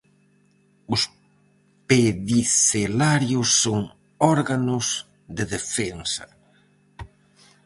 Os pedicelarios son órganos de defensa.